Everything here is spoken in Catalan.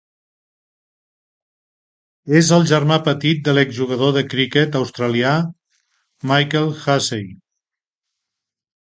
És el germà petit de l'exjugador de criquet australià Michael Hussey.